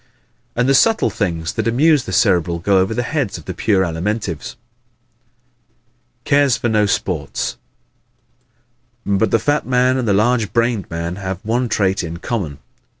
And the subtle things that amuse the Cerebral go over the heads of the pure Alimentives. Cares for No Sports ¶ But the fat man and the large brained man have one trait in common.